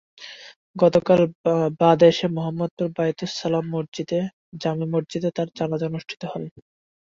গতকাল বাদ এশা মোহাম্মদপুর বায়তুস সালাম জামে মসজিদে তাঁর জানাজা অনুষ্ঠিত হয়।